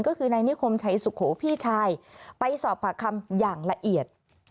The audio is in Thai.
ก็คือในนิคมเชยศุโขฟิชายไปสอบผ่าคำอย่างละเอียด